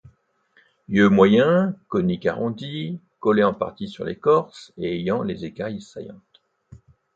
Yeux moyens, coniques-arrondis, collés en partie sur l’écorce et ayant les écailles saillantes.